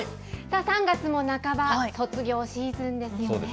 ３月も半ば、卒業シーズンですよね。